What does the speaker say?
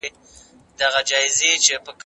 تاسو د دښمن د کلاګانو د نړولو هڅه وکړئ.